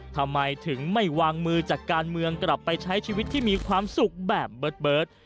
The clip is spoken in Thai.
ทำไมถึงไม่วางมือจากการเมืองกลับไปใช้ชีวิตที่มีความสุขแบบเบิร์ด